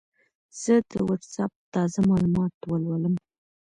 زه د وټساپ تازه معلومات ولولم.